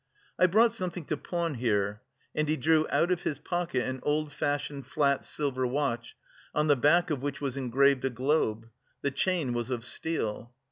"I've brought something to pawn here," and he drew out of his pocket an old fashioned flat silver watch, on the back of which was engraved a globe; the chain was of steel.